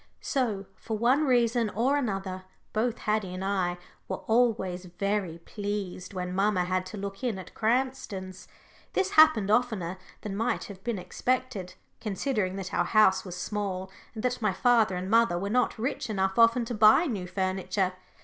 So, for one reason or another, both Haddie and I were always very pleased when mamma had to look in at Cranston's. This happened oftener than might have been expected, considering that our house was small, and that my father and mother were not rich enough often to buy new furniture.